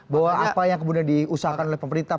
bahwa apa yang kemudian diusahakan oleh pemerintah